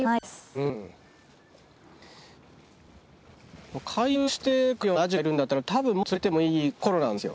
うーん回遊してくるようなアジがいるんだったらたぶんもう釣れてもいい頃なんですよ